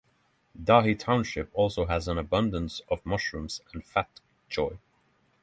Dahe Township also has an abundance of mushrooms and fat choy.